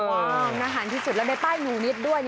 อาหารที่สุดแล้วในป้ายหนูนิดด้วย